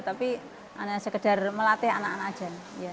tapi hanya sekedar melatih anak anak aja